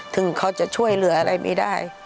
ถึงเขาจะช่วยเหลืออะไรไม่ได้